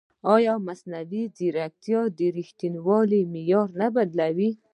ایا مصنوعي ځیرکتیا د ریښتینولۍ معیار نه بدلوي؟